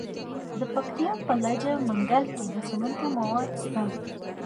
د پکتیا په لجه منګل کې د سمنټو مواد شته.